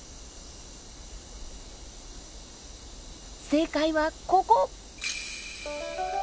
正解はここ。